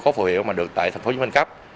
có phù hiệu mà được tại thành phố hồ chí minh cấp